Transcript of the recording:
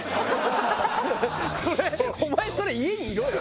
それお前それ家にいろよ！